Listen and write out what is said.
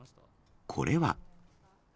これは。